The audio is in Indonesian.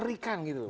ya kata biadab lagi